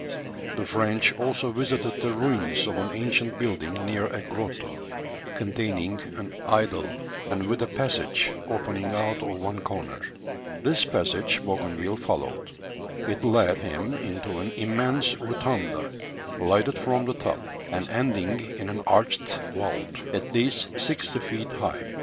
The French also visited the ruins of an ancient building near a grotto, containing an idol, and with a passage opening out of one corner. This passage Bougainville followed. It led him into an "immense rotunda lighted from the top, and ending in an arched vault, at least sixty feet high.